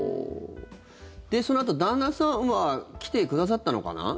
そのあと、旦那さんは来てくださったのかな？